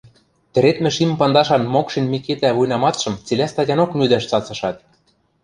тӹредмӹ шим пандашан Мокшин Микитӓ вуйнаматшым цилӓ статянок мӱдӓш цацышат